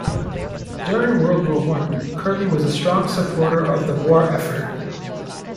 During World War One, Curley was a strong supporter of the war effort.